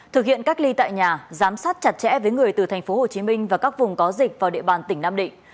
thực hiện cách ly tại nhà giám sát chặt chẽ với người từ tp hcm và các vùng có dịch vào địa bàn tỉnh nam định